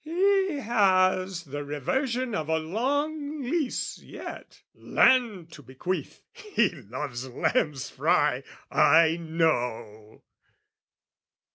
He has the reversion of a long lease yet Land to bequeath! He loves lamb's fry, I know!